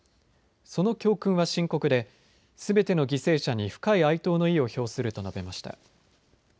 その教訓は深刻ですべての犠牲者に深い哀悼の意を表すると述べました。